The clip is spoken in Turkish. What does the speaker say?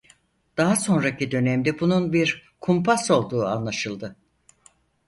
Daha sonraki dönemde bunun bir kumpas olduğu anlaşıldı.